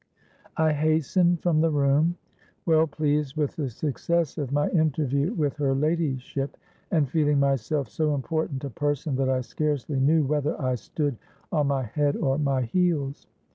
"I hastened from the room, well pleased with the success of my interview with her ladyship, and feeling myself so important a person that I scarcely knew whether I stood on my head or my heels.